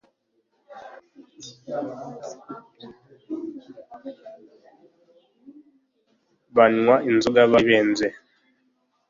Banywa inzoga bari benze.